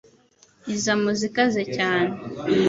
iza mu zikaze cyane.